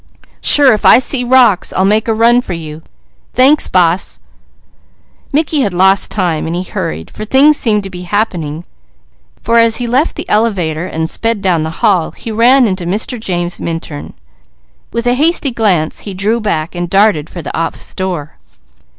Sure if I see rocks I'll make a run for you. Thanks Boss!" Mickey had lost time, and he hurried, but things seemed to be happening, for as he left the elevator and sped down the hall, he ran into Mr. James Minturn. With a hasty glance he drew back, and darted for the office door.